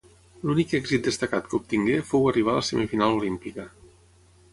L'únic èxit destacat que obtingué fou arribar a la semifinal olímpica.